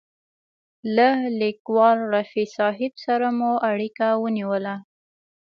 له لیکوال رفیع صاحب سره مو اړیکه ونیوله.